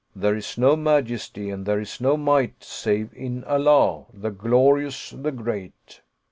There is no Majesty and there is no Might save in Allah, the Glori ous, the Great!